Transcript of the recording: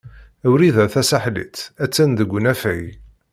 Wrida Tasaḥlit a-tt-an deg unafag.